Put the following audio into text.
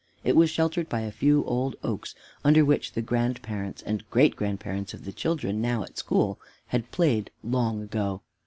It was sheltered by a few old oaks, under which the grandparents and great grandparents of the children now at school had played long ago.